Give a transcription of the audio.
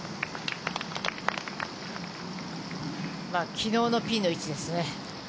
昨日のピンの位置ですね。